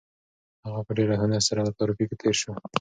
هغه په ډېر هنر سره له ترافیکو تېر شو.